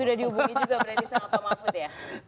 sudah dihubungi juga berarti sama pak mahfud ya